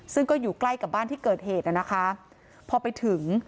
ซึ่งก็อยู่ใกล้กับบ้านที่เกิดเหตุน่ะนะคะพอไปถึง